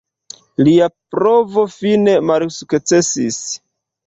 Lia provo fine malsukcesis.